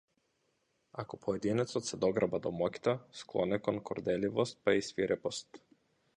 Ако поединецот се дограба до моќта, склон е кон горделивост па и свирепост.